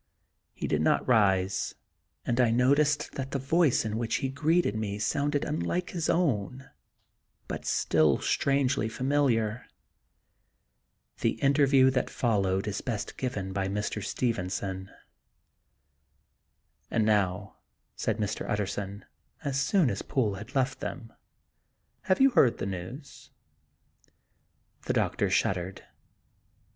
He did not rise, and I noticed that the voice in which he greeted me sounded 14 The Untold Sequel of unlike his own, but still strangely familiar. The interview that followed is best given by Mr, Stevenson. " And now," said Mr. Utterson, as soon as Poole had left them, "have you heard the news ?" The doctor shuddered.